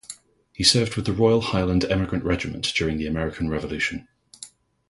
He served with the Royal Highland Emigrant Regiment during the American Revolution.